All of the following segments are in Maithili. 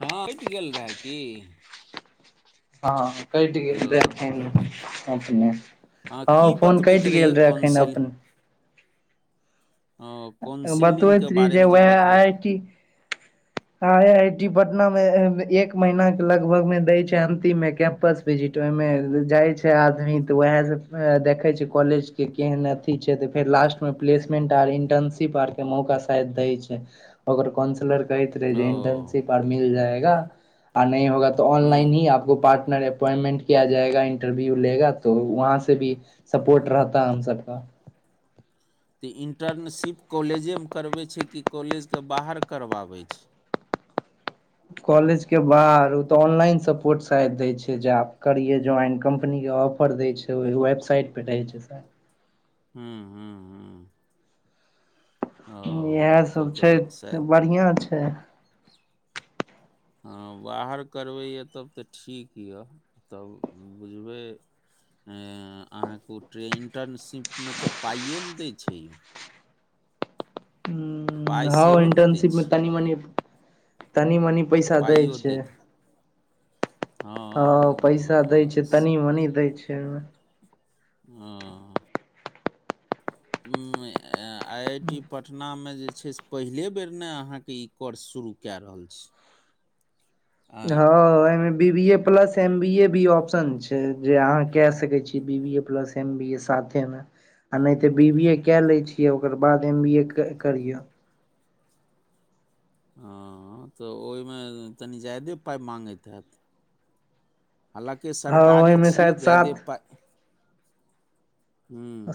हँ कटि गेल रहए की हं कटि गेल हेलो रहए की हँ फोन बतबैत कटि रहियै गेल रहै एखन काउन्सेल अपन ओ काउन्सेलिंगके बतबैत रहि जे बारेमे वएह बतबै IT I I T Patna मे एक महिना के लगभगमे दय छै अंतिम मे कैंपस विजिट ओ मे जाय छै आदमी तऽ वएह से देखे छै कॉलेज के केहन अथी छै त फेर लास्ट मे प्लसमेंट आर इंटर्नशिप आर के मौका शायद दै छै ओकर काउंसलर कहैत ओ रहे इन्टर्नशिप आर मिल जाएगा आ नहि होगा तऽ हूँ ऑनलाइन ही आपको पार् अप अपॉइंटमेंट किया जायगा इंटरव्यू लेगा त वहाँ से भी सपोर्ट रहता ह हम सब का [inaudible] तऽ इंटर्नशिप कॉलेजेमे करबै छै कि कॉलेजके बाहर करबाबै छै कॉलेज के बाहर ओ तऽ ऑनलाइन सपोर्ट शायद दै छै जे आप करिये ज्वइन कम्पनी ऑफर दै छै ओहि वेबसाइट पे रहै छै सर हँ हँ हँ इएहसभ तब छै तऽ शायद बढ़िआँ छै [inaudible] हँ बाहर करबैए तब तऽ ठीक यए तब बुझबै अहाँके ओ ट्रे इंटर्नशिपमे तऽ पाइओ नहि दै छै यौ पाइ हँ सेहो ने दै इंटर्नशिपमे छै तनी मनी तनी मनी पैसा दै पाइयो छै दैत हँ हं पैसा दै अ- छै तनी मनी दै छै ओहिमे हं उं ए आ आइ आइ टी पटनामे जे छै से पहिले बेर ने अहाँके ई कोर्स शुरू कए रहल छी [inaudible] हँ ऐमे B B A plus M B A भी ऑप्शन छै जे अहाँ के सके छीए B B A plus M B A सा ऐमे आ नहि तऽ बी बी ए कए लै छियै ओकर बाद एम बी ए करियौ हँ तऽ ओहिमे तनि ज्यादे पाइ मांगैत हैत हालाँकि हँ सरकारी ओहिमे छियै शायद जायदेव सात पा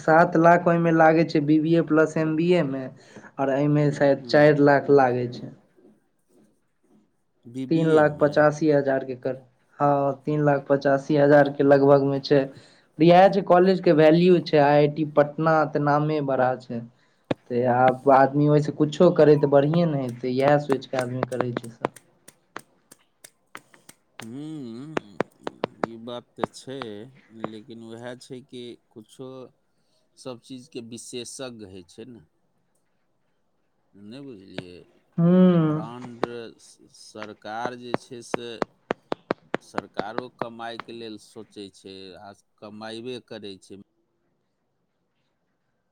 सात लाख ओहिमे लागे छै B B A plus M B A मे एहिमे शायद हूँ चारि लाख लागै छै [inaudible] बी हं बी तीन ए मे लाख पचासी हजार के लगभग मे छै इहे कॉलेज के वैल्यू छै आइ आइ टी पटना तऽ नामे बड़ा छै तऽ आब आदमी ओहिसे कुछो करैत त बढ़िएँ ने हेतै इएह सोचि कऽ आदमी करै छै सब हूं हूं ई बात तऽ छै लेकिन उएह छै कि कुछो सबचीजके विशेषज्ञ होइ छै ने नहि बुझलियै हूँ ब्राण्ड सरकार जे छै से सरकारो कमाइके लेल सोचै छै आ कमायबे करै छै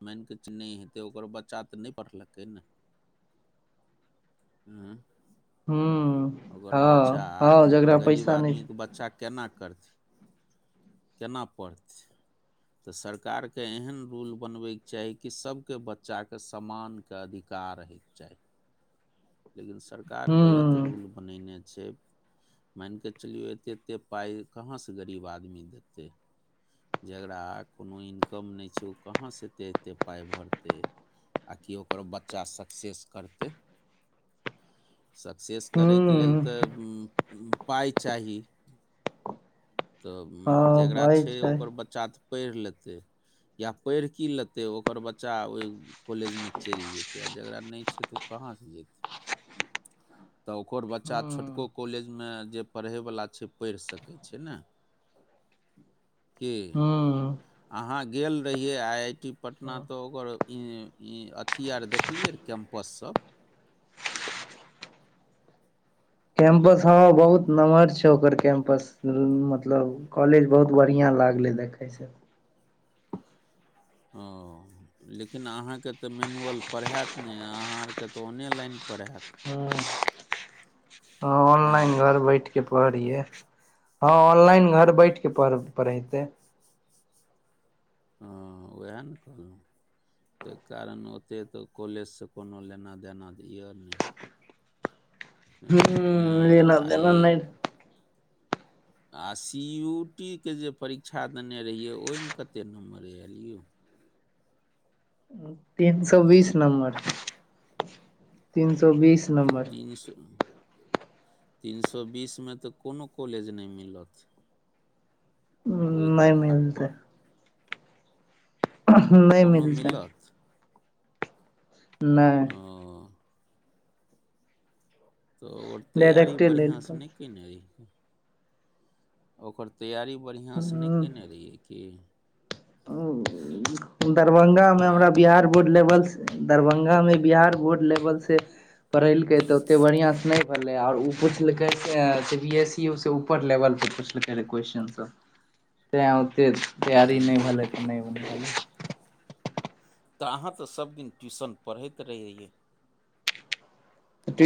मानि क नहि हेतै ओकर बच्चा तऽ नहि पढ़लकै उं हूँ ओकर बच्चा हँ हँ जकरा गरीब पैसा नहि छै। आदमीके बच्चा केना करथि केना पढ़तै तऽ सरकारके एहन रूल बनबैके चाही कि सबके बच्चाके समानके अधिकार रहय चाही लेकिन सरकार गलत हूँ रूल बनेने छै मानि कऽ चलियौ एतेक एतेक पाइ कहाँसे गरीब आदमी देतै जकरा कोनो इनकम नहि छै ओ कहाँसे एतेक एतेक पाइ भरतै आ कि ओकर बच्चा सक्सेस करतै सक्सेस करयके लेल हूँ तऽ पाइ चाही तऽ हँ जकरा भइ छै ओकर बच्चा तऽ पढ़ि लेतै या पढ़ि की लेतै ओकर बच्चा ओहि कॉलेजमे चलि जेतै आ जकरा नहि छै तऽ ओ पाँच जेत तऽ ओकर बच्चा हूँ छोटको कॉलेजमे जे पढ़यवला छै पढ़ि सकै छै ने [inaudible] की हं अहाँ गेल रहियै आई आई टी पटना तऽ ओकर ई ई अथी आर देखलियै कैम्पस सब कैंपस हं बहुत नमहर छ ओकर कैंपस मतलब कॉलेज बहुत बढ़ियाॅं लाग लगलै देखैसे ओ लेकिन अहाँके तऽ मेनुअल पढ़ैत नहि अहाँ आरके तऽ ऑनेलइन पढ़ैत हाँ ऑनलाइन घर बैठे पढ़ैय हाँ ऑनलाइन घर बैठ के पढ़ पढ़ेते हाँ उएह ताहि कारण ओतेक तऽ कॉलेजसे कोनो लेना देना तऽ यए नहि ह्म ए, ए, लेना आ देना ई नहि आ सी यू टी के जे परीक्षा देने रहियै ओहिमे कतेक नम्बर आयल यौ तीन सौ हँ बीस नंबर तीन सौ बीस तऽ नमबर तीन सए तीन सौ बीसमे तऽ कोनो कॉलेज नहि मिलत ओहिके नहि मिलतै आधारपर नहि कोनो मिलतै मिलत ओ नहि तऽ ओकर तैयारी डायरेक्टे लेल बढ़िआँसे पर नहि कयने रहि ओकर तैयरी बढ़िआँसे नहि हूं कयने रहियै कि दरभंगा मे आँय हमरा बिहार बोर्ड लेवल दरभंगामे बिहार बोर्ड लेवल से पढ़ेलकै तऽ ओते बढ़ियाॅं से नहि भेललै आर ओ पुछलकै बी एस यू से ऊपर लेवल पुछलकै रहए क्योस्चन सब तेँ ओतेक तैयारी नै हम्म, भेलैय, तेँ नै भेलैय ऐ बाजि। त अहाँ त सबदिन ट्यूशन पढ़ैत रहियै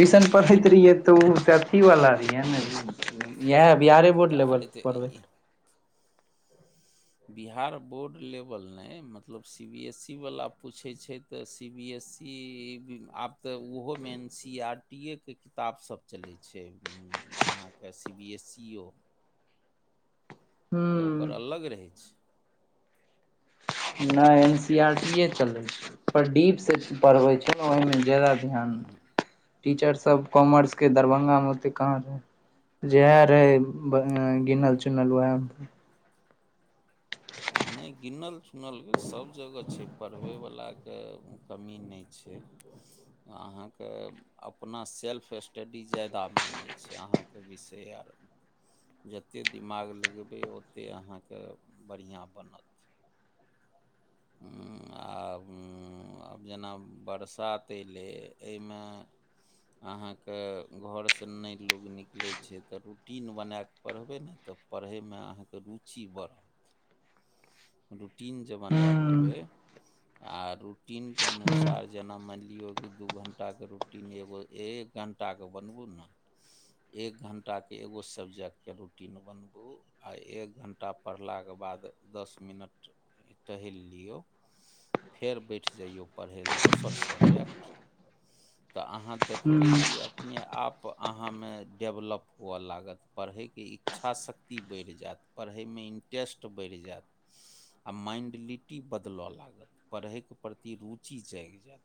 हूँ पढ़ैत रहियै त ओ त अथीवला रहियै न इएह बिहारे तऽ बोर्ड लेबल अरे से तऽ पढ़बैत ई रहए। बिहार बोर्ड लेबल नै मतलब सी बी एस ई बाला पूछैत छैय त सी बी एस- सी आब त ओहोमे N C E R- T ए के किताब सब चलैय छैय अहाँके सी बी एस ई ओ मे की ओकर हुं अलग रहैय छैय। नै N C E R T अँ, ए चलैय ओ छैय, पर डीप से पढ़बै छैय न ओहिमे ज्यादा ध्यान टीचर सब कॉमर्स के दरभंगामे ओत्ते कहाँ रहैय। जेएह रहैय गिनल-चुनल वैहमे पढ़लियै। नै गिनल-चुनल की सब जगह छैय पढ़बैय बलाके कमी नै छैय। छैय अहाँके अपना सेल्फ स्टडी ज्यादा मांगैय छैय अहाँके विषय जतेक दिमाग लगेबैय ओतेक अहाँके बढ़ियां बनत। हुँ आब जेना बरसात अयलै एहिमे अहाँके घरसँ नहि लोग निकलैय छैय त रूटीन बना क पढ़बैय न त पढ़ैयमे अहाँके रूचि बढ़त। रूटीन जे बना हूं लेबए। आ रूटीनके हूं अनुसार जेना मानि लियौ कि दु घण्टाके रूटीन एगो एक घण्टाके बनाबू न। एक घण्टाके एगो सब्जेक्टके रूटीन बनाबू आ एक घण्टा पढ़ला के बाद दस मिनट टहलि लियौ। फेर बैठइ जैयौ पढ़ैय ले दोसर सबजेक्ट त अहाँ हूं देखबै की अपने आप अहाँमे डेवलप हुअए लागत पढ़ैयके इच्छाशक्ति बढ़ि जाएत, पढ़ैयमे इनटेस्ट बढ़ि जाएत आ माइन्डलिटी बदल लागत, पढ़ैयके प्रति रुचि जागि जाएत,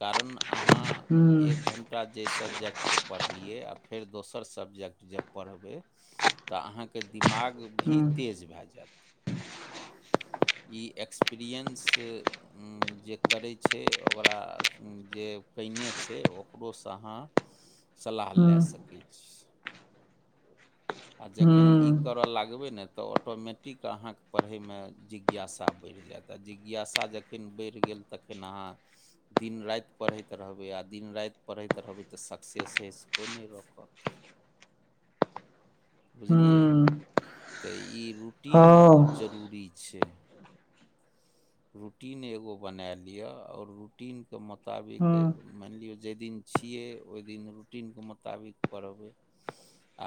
कारण अहाँ हूं एक घण्टा जाहि सबजेक्टके पढ़लियै आ फेर दोसर सबजेक्ट जब पढ़बैय त अहाँ के दिमाग भी हूं तेज भए जायत। इ एक्सपीरियंस जे करैय छैय ओकरा जे कएने छैय ओकरोसँ अहाँ सलाह हूं ल सकैय छी। आ जखन इ करए लगबै न त ऑटोमेटिक अहाँके पढ़यमे जिज्ञासा बढ़ि जायत, आ जिज्ञासा जखन बढ़ि गेल तखन अहाँ दिन-राति पढ़ैत रहबै आ दिन-राति पढ़ैत रहबै त सक्सेस होइसँ कोइ नै रोकत हूं बुझलियै हूं त इ रूटीन हौ बहुत जरूरी छैय। रूटीन एगो बनाए लिअ आओर रूटीनके मुताबिक हूं मानि लिअ जाहि दिन छियैय ओहि दिन रूटीनके मुताबिक पढ़बै।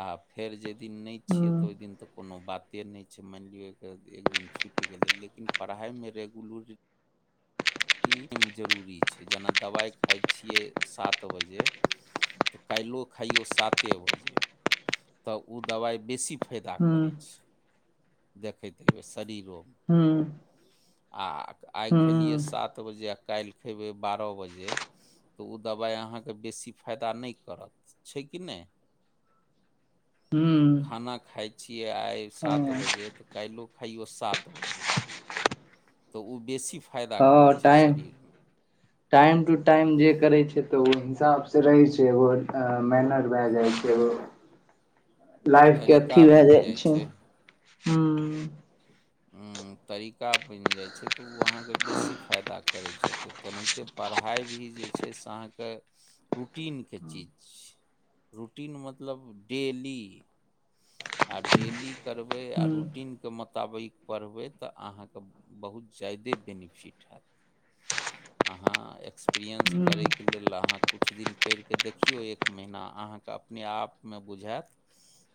आ फेर जाहि दिन नै हूं छियैय त हूं ओहि दिन त कोनो बाते नै छैय मानि लियौ एक दिन छुटि गेलैय लेकिन पढ़ाइमे रेगुलु- रीटी जरूरी छैय जेना दबाइ खाइ छियैय सात बजे त काइलो खाइयौ साते बजे त ओ दबाइ बेसी फायदा करैय छैय। देखैत हेबैए शरीरोमे हूं आ आइ हूं खेलियै हूं सात बजे आ काइल खेबैय बारह बजे तऽ ओ दबाइ अहाँके बेसी फाइदा नहि करत छै कि नहि हँ खाना खाइ छियै आइ सात बजे तऽ काहिलो खाइयो सात बजे तऽ ओ बेसी फायदा करै ओ छै टाइम शरीरमे टाइम टू टाइम जे करै छै तऽ ओ हिसाबसँ रहै छै एगो मेनर भए जाइ छै एग [inaudible] लाइफ के अथी भए जाइ छै ह ह तरीका बनि जाइ छै तऽ ओ अहाँके बेसी फायदा करै छथि तेनाहिते पढ़ाइ भी जे छै से अहाँ के रूटीन के चिज छै रूटीन मतलब डेली आ डेली करबै आ हूं रूटीनके मुताबिक पढ़बै तऽ अहाँके बहुत ज्यादे बेनिफिट हैत अहाँ एक्सपीरएन्स हूँ करैके लेल अहाँ किछु दिन करिके देखियौ एक महिना अहाँके अपने आप मे बुझायत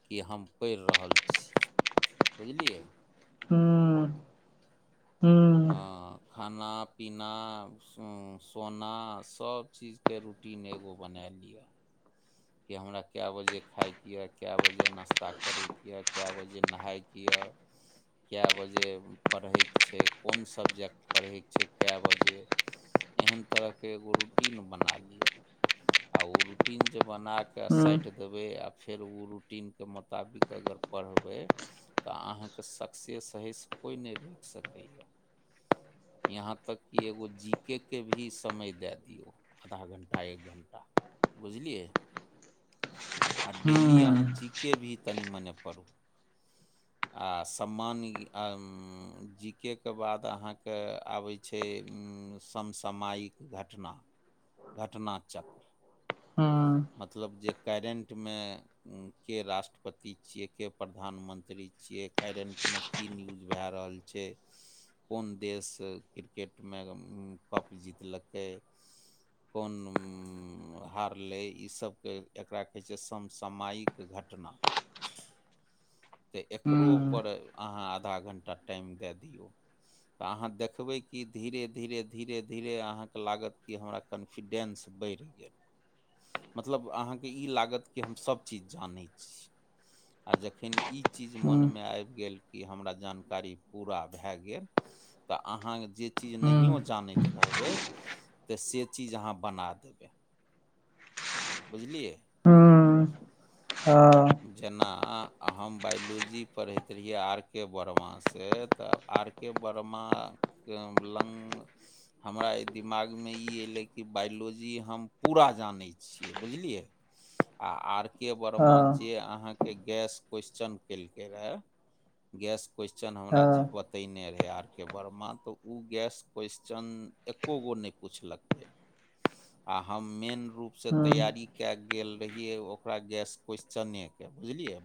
कि हम पढ़ि रहल छी बुझलियै आ खाना पीना सो सोना सब चीज के रूटीन एगो बने लियै कि हमरा कै बजे खायके ये कै बजे नाश्ता करैके या कै बजे नहायके य [unintelligible] कए बजे पढ़यके छै कोन सब्जेक्ट पढ़यके छै कए बजे एहन तरहके एगो रूटीन बना लिअ आ ओ रूटीन जे बनाकऽ साटि देबै आ फेर ओ रूटीनके मोताबिक अगर पढ़बै तऽ अहाँके सक्सेस हइ से कोइ नहि रोकि सकैए यहाँ तक कि एगो जी के के भी समय दए दियौ आधा घंटा एक घंटा बुझलियै आ डेली अहाँ जी के भी तनि मने पढु आ सम्मान आ जीकेके बाद अहाँके आबै छै समसामायिक घटना घटना चक्र मतलब जे करेंटमे के राष्ट्रपति छियै के प्रधानमंत करै छियै करेंटमे की न्यूज भए रहल छै कोन देश क्रिकेटमे कप जीत लेतै कोन हारलै ईसभके एकरा कहै छै समसामायिक घटना [inaudible] तऽ एकरोपर अहाँ आधा घण्टा टाइम दए दियौ तऽ अहाँ देखबै कि धीरे धीरे धीरे धीरे अहाँके लागत कि हमरा कॉन्फिडेंस बढ़ि गेल मतलब अहाँके ई लागत कि हम सभ चीज जानै छी आ जखनि ई चीज मनमे आबि गेल कि हमरा जानकारी पूरा भए गेल तऽ अहाँ जे चीज नहियो जानै रहबै तऽ से चीज अहाँ बना देबै बुझलियै हँ जेना हम बायोलॉजी पढ़ैत रहियै आर के वर्मासे तऽ आर के बर्माक लग हमरा दिमागमे ई एलै कि बाइलो बुझि हम पूरा जानै छीयै बुझलियै आ आर के वर्मा जे अहाँके गैस क्वसचन केलकै रहए गैस क्वेेश्चन हमरा जे बतैने रहै आर के वर्मा तऽ ओ गैस क्वेश्चन एको गो नहि पुछलकै आ हम मेन रूप से तैयारी कए कऽ गेल रहियै ओकरा गैस कोश्चनेचने के बुझलियै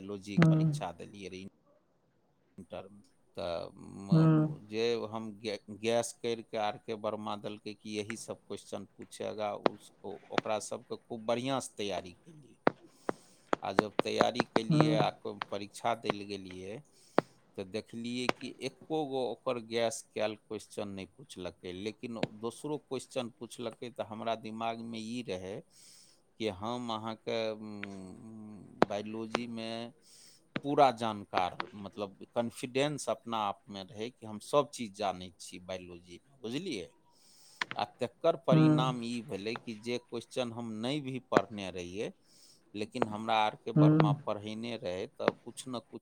बेलोजी परीक्षा दलियरन टर्म तऽ जे हम ग गैस कर कऽ आरके बर्मा के देलकै की ऐसी सब कोश्चन पूछेगा ओकरा सबके खूब बढ़िया से तैयारी आ जब तैयारी केलियै आ परीक्षा दैले गेलियै [inaudible] तऽ देखलियै कि एक्को गो ओकर गैस कयल क्वेेश्चन नहि पुछलकै लेकिन ओ दोसरो क्वेश्चन पुछलकै तऽ हमरा दिमागमे ई रहै कि हम अहाँके बायोलोजीमे पूरा जानकार मतलब कॉन्फिडेन्स अपना आपमे रहै कि हम सब चीज जानै छी बायोलोजीमे बुझलि आ तेक एकर परिणाम ई भेलै कि जे क्वेेश्चन हम नहि भी पढ़ने रहियै लेकिन हमरा आरके बरमा पढ़ैने रहै तऽ कुछ न कुछ